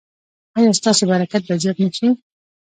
ایا ستاسو برکت به زیات نه شي؟